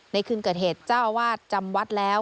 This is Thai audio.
คืนเกิดเหตุเจ้าอาวาสจำวัดแล้ว